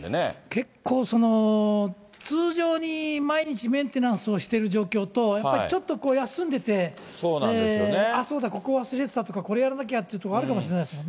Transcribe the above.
結構、その通常に毎日メンテナンスをしている状況と、やっぱりちょっと休んでて、あっ、そうだ、これ忘れてたとか、これやらなきゃっていうところがあるかもしれないですよね。